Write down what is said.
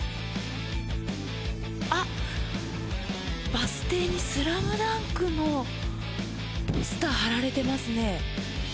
あっ、バス停にスラムダンクのポスター貼られてますね。